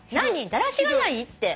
だらしがないって？」